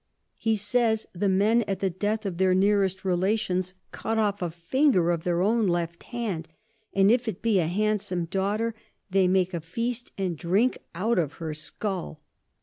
He says, the Men at the death of their nearest Relations cut off a Finger of their own left Hand; and if it be a handsom Daughter, they make a Feast and drink out of her Skull.